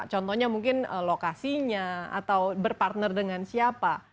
contohnya mungkin lokasinya atau berpartner dengan siapa